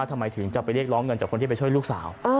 ทำไมถึงจะไปเรียกร้องเงินจากคนที่ไปช่วยลูกสาว